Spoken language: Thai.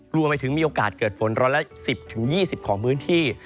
รวมไปถึงมีโอกาสเกิดฝนร้อยละ๑๐๒๐ของพื้นที่